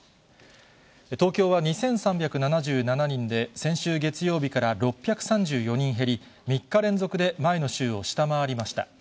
東京は２３７７人で、先週月曜日から６３４人減り、３日連続で前の週を下回りました。